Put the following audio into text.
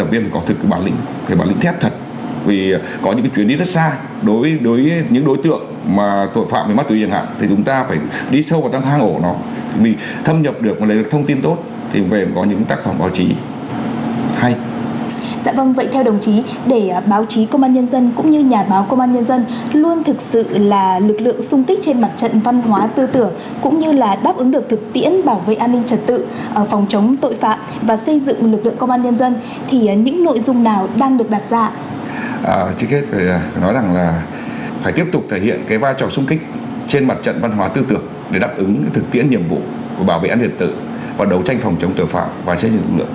và tôi cũng mong muốn thời gian tới thì chúng ta sẽ có nhiều tác phẩm hay